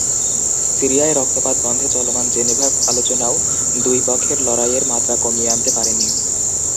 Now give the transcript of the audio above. সিরিয়ায় রক্তপাত বন্ধে চলমান জেনেভা আলোচনাও দুই পক্ষের লড়াইয়ের মাত্রা কমিয়ে আনতে পারেনি।